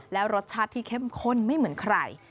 แล้วรสชาติที่เข้มข้นไม่เหมือนใคร